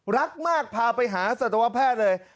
รักมากพาไปหาสัตวแพทย์เลย